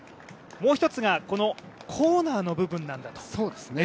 もう一つが、コーナーの部分なんだと。